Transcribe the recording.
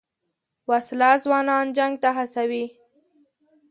وسله ځوانان جنګ ته هڅوي